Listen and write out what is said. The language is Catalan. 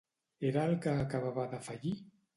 Era el que acabava de fallir?